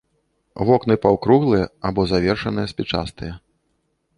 Вокны паўкруглыя альбо завершаныя спічастыя.